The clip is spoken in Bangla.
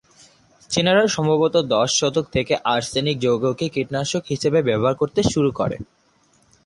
চীনারা সম্ভবত দশ শতক থেকে আর্সেনিক যৌগকে কীটনাশক হিসেবে ব্যবহার করতে শুরু করে।